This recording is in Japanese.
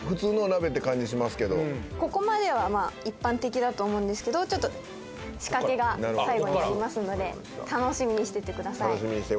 ここまではまあ一般的だと思うんですけどちょっと仕掛けが最後にありますので楽しみにしててください。